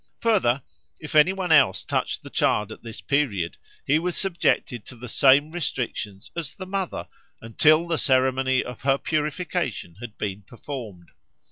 Further, if any one else touched the child at this period, he was subjected to the same restrictions as the mother until the ceremony of her purification had been performed.